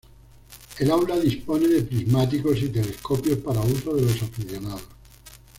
El aula dispone de prismáticos y telescopios para uso de los aficionados.